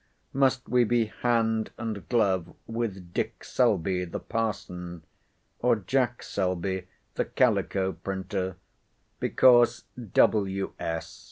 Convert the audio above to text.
must we be hand and glove with Dick Selby the parson, or Jack Selby the calico printer, because W.S.